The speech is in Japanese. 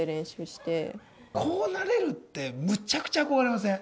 こうなれるってむちゃくちゃ憧れません？